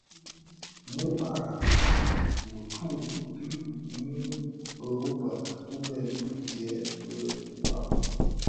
Muu araben, muturk dhi muu Europa atumè bi nke bè nkpag.